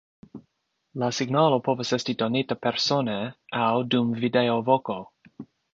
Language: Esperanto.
La signalo povas esti donita persone aŭ dum videovoko.